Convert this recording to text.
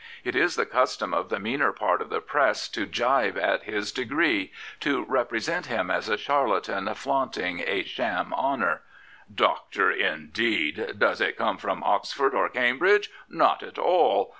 It is the custom of the meaner part of the Press to gibe at his degree, to represent him as a charlatan flaunting a sham honour. Dr.^^ indeed! Does it come from Oxford or Cambridge ? Not at all.